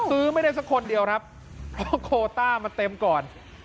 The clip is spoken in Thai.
ซื้อไม่ได้สักคนเดียวครับเพราะโคต้ามาเต็มก่อน